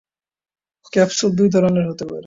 Capsule দুই ধরনের হতে পারে।